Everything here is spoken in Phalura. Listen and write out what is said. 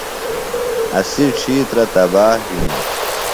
اسی ڇِھیترہ تباہ بِھین۔